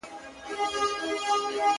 د ځوانيمرگي ښکلا زور په سړي خوله لگوي